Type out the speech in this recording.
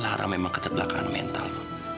lara memang keterbelakaan mental